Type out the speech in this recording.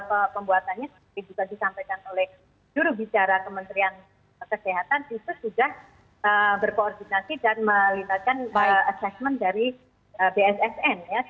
proses pembuatannya seperti juga disampaikan oleh juru bicara kementerian kesehatan itu sudah berkoordinasi dan melibatkan assessment dari bssn ya